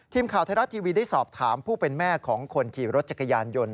ทีมข่าวไทยรัฐทีวีได้สอบถามผู้เป็นแม่ของคนขี่รถจักรยานยนต์